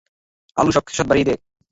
আলু সবকিছুর স্বাদ বাড়িয়ে দেয়।